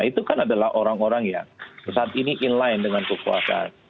itu kan adalah orang orang yang saat ini inline dengan kekuasaan